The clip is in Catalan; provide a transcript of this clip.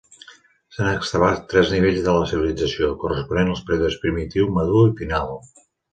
S'han excavat tres nivells de la civilització, corresponent als períodes primitiu, madur i final.